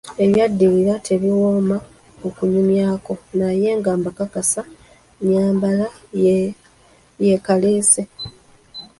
Ebyaddirira tebiwooma okunyumyako, naye ng‘akabasa nnyambala yeekaleese.